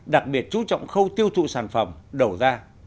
đặc biệt chú trọng khâu tiêu thụ sản phẩm đầu ra